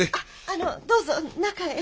あのどうぞ中へ。